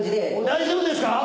大丈夫ですか？